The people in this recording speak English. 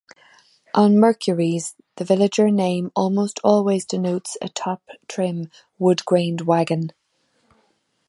On Mercuries, the Villager name almost always denotes a top trim, wood grained wagon.